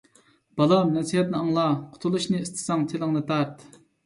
بالام نەسىھەتنى ئاڭلا، قۇتۇلۇشنى ئىستىسەڭ، تىلىڭنى تارت.